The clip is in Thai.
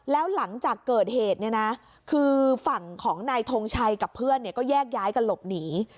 แล้วหลังจากเกิดเหตุเนี่ยนะคือฝั่งของนายทงชัยกับเพื่อนก็แยกย้ายกันหลบหนี